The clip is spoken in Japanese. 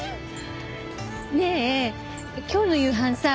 ねえ今日の夕飯さ